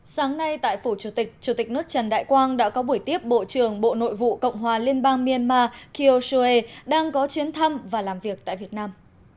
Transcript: sáng nay tại phủ chủ tịch chủ tịch nước trần đại quang đã có buổi tiếp bộ trưởng bộ nội vụ cộng hòa liên bang myanmar kiyo sue đang có chuyến thăm và làm việc tại việt nam